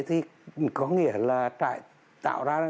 thì có nghĩa là trại tạo ra